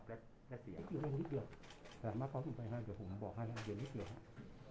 ถ้าคุณอาจารยามีการเข้าขอโทษแล้วก็ไร้ศพให้ใหม่อะไรทั้งได้ปรึกษาทางคุณจุดินไหมคะ